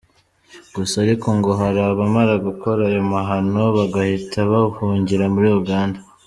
Gusa ariko ngo hari abamara gukora ayo mahano bagahita bahungira muri Uganda.